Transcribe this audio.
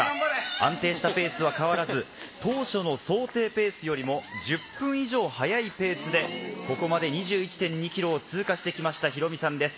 安定したペースは変わらず、当初の想定ペースよりも１０分以上速いペースで、ここまで２１．２キロを通過してきました、ヒロミさんです。